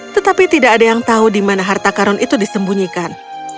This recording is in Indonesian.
tetapi tidak ada yang tahu di mana harta karun itu disembunyikan